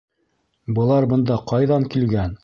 Былар бында ҡайҙан килгән?